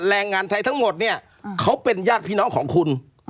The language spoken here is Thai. แรงงานไทยทั้งหมดเนี่ยเขาเป็นญาติพี่น้องของคุณ